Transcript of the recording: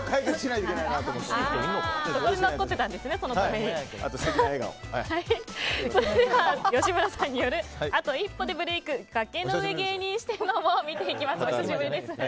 それでは吉村さんによるあと一歩でブレーク崖の上芸人四天王を見ていきます。